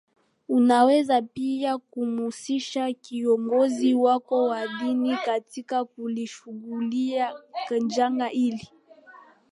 Unaweza pia kumhusisha kiongozi wako wa dini katika kulishughulikia janga hili